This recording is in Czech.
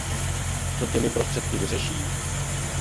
Co těmi prostředky vyřeší?